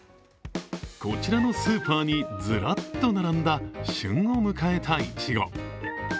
こちらのスーパーにずらっと並んだ旬を迎えたいちご。